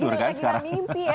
nggak lagi mimpi ya sekarang